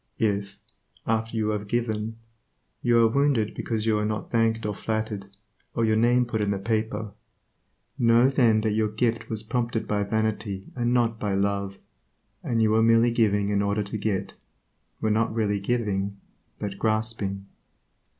If, after you have given, you are wounded because you are not thanked or flattered, or your name put in the paper, know then that your gift was prompted by vanity and not by love, and you were merely giving in order to get; were not really giving, but grasping.